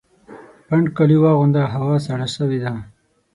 پنډ کالي واغونده ! هوا سړه سوې ده